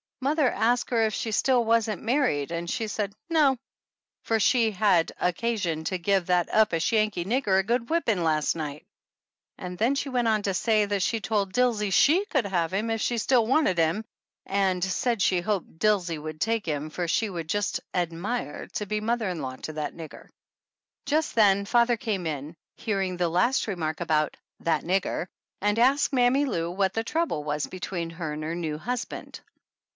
Mother asked her if she wasn't still married, 98 THE ANNALS OF ANN and she said no, for she had "had occasion to give that uppish Yankee nigge"r a good whippin' las' night." And then she went on to say that she told Dilsey she could have him if she still wanted him, and said she hoped Dilsey would take him for she would just admire to be mother in law to that nigger. Just then father came in, hearing the last re mark about "that nigger," and asked Mammy Lou what the trouble was between her and her new husband.